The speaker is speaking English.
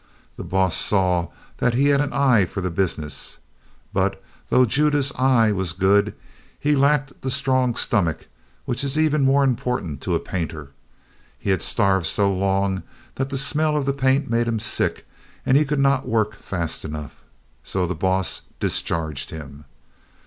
The boss saw that he had an eye for the business. But, though Judah's eye was good, he lacked the "strong stomach" which is even more important to a painter. He had starved so long that the smell of the paint made him sick and he could not work fast enough. So the boss discharged him.